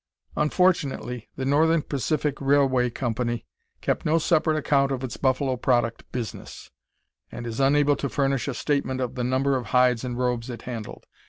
Unfortunately the Northern Pacific Railway Company kept no separate account of its buffalo product business, and is unable to furnish a statement of the number of hides and robes it handled.